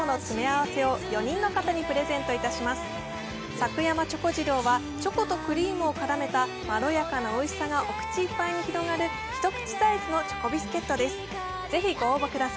サク山チョコ次郎は、チョコとクリームをからめたまろやかなおいしさがお口いっぱいに広がるひと口サイズのチョコビスケットです。